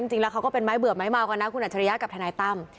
จริงแล้วเขาก็เป็นไม้เบื่อไม้เมากันนะคุณอัจฉริยะกับทนายตั้ม